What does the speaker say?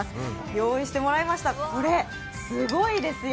用意してもらいましたこれ、すごいですよ。